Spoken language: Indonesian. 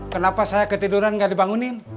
kenapa saya ketiduran nggak dibangunin